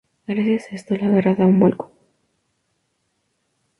Gracias a esto la guerra da un vuelco.